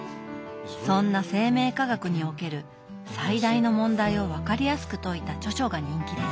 そんな生命科学における最大の問題を分かりやすく説いた著書が人気です。